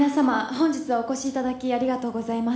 本日はお越しいただきありがとうございます